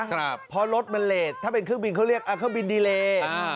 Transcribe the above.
เพราะรถมันเลสถ้าเป็นเครื่องบินเขาเรียกเครื่องบินดีเลอ่า